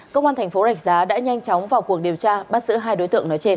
công an tp rạch giá đã nhanh chóng vào cuộc điều tra bắt giữ hai đối tượng nói trên